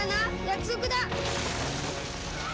約束だ。